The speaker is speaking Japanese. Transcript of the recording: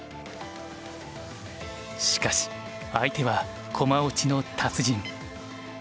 しかし相手は駒落ちの達人。